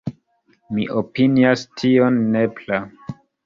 Mi opinias tion nepra.